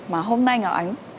mà hôm nay ngọc ánh